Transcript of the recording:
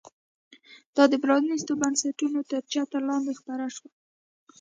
دا د پرانیستو بنسټونو تر چتر لاندې خپره شوه.